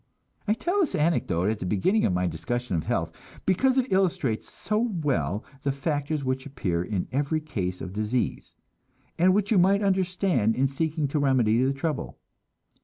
I tell this anecdote at the beginning of my discussion of health, because it illustrates so well the factors which appear in every case of disease, and which you must understand in seeking to remedy the trouble.